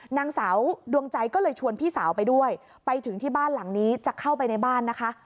นางสาวดวงใจก็เลยชวนพี่สาวไปด้วยไปถึงที่บ้านหลังนี้จะเข้าไปในบ้านนะคะ